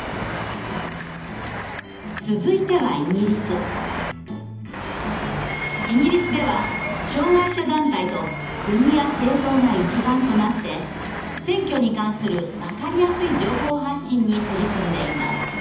続いてはイギリスでは障害者団体と国や政党が一丸となって選挙に関するわかりやすい情報発信に取り組んでいます。